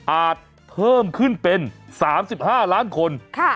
อาจเพิ่มขึ้นเป็น๓๕ล้านคนค่ะ